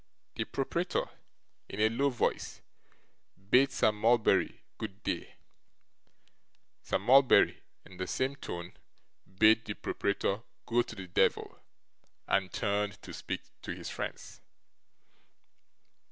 The proprietor, in a low voice, bade Sir Mulberry good day. Sir Mulberry, in the same tone, bade the proprietor go to the devil, and turned to speak with his friends.